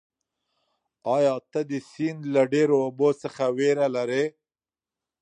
ایا ته د سیند له ډېرو اوبو څخه وېره لرې؟